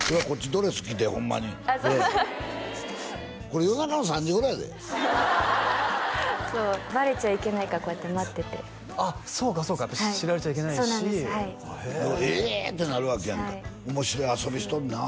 ドレス着てホンマにこれこれ夜中の３時ぐらいやでそうバレちゃいけないからこうやって待っててあっそうかそうか知られちゃいけないしへえ「ええ！」ってなるわけやんか面白い遊びしとんなあ